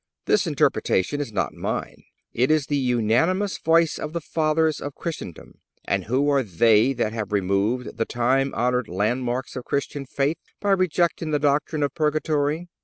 This interpretation is not mine. It is the unanimous voice of the Fathers of Christendom. And who are they that have removed the time honored landmarks of Christian faith by rejecting the doctrine of purgatory?